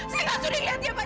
saya nggak sudi lihat dia pak